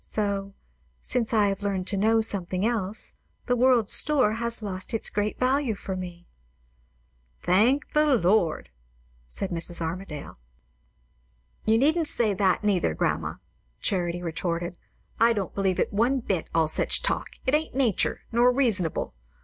So, since I have learned to know something else, the world's store has lost its great value for me." "Thank the Lord!" said Mrs. Armadale. "You needn't say that, neither, grandma," Charity retorted. "I don't believe it one bit, all such talk. It ain't nature, nor reasonable.